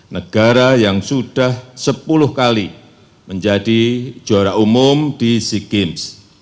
negara yang sudah sepuluh kali menjadi juara umum di sea games